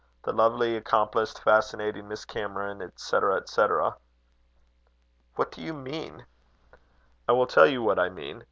'The lovely, accomplished, fascinating Miss Cameron, &c., &c.'" "What do you mean?" "I will tell you what I mean.